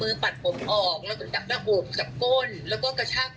แล้วก็กระชากผมแบบพอพาไปที่รับมีการกระชากผมแล้วก็จับไปดูดปากด้วย